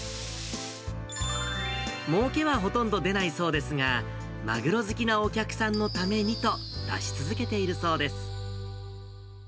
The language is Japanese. もうけはほとんど出ないそうですが、マグロ好きのお客さんのためにと、出し続けているそうです。